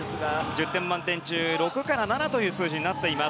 １０点満点中、６から７という数字になっています。